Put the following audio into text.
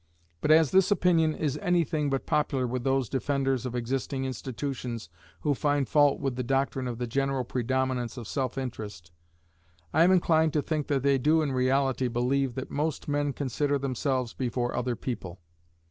But as this opinion is any thing but popular with those defenders of existing institutions who find fault with the doctrine of the general predominance of self interest, I am inclined to think they do in reality believe that most men consider themselves before other people.